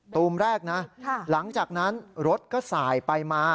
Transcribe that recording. ตูมแรกนะหลังจากนั้นรถก็สายไปมา